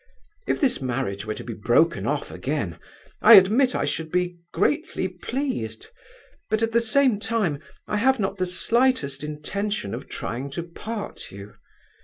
If this marriage were to be broken off again, I admit I should be greatly pleased; but at the same time I have not the slightest intention of trying to part you.